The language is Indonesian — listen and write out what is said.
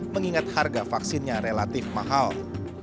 mengingat harga vaksinnya relatif mahal